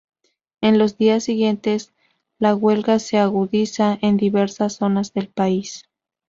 En los días siguientes, la huelga se agudiza en diversas zonas del país.